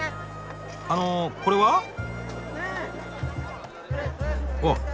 あのこれは？うわ。